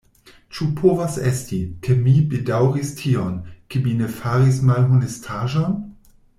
Ĉu povas esti, ke mi bedaŭris tion, ke mi ne faris malhonestaĵon?